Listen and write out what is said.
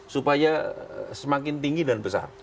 supaya semakin tinggi dan besar